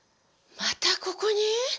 またここに！？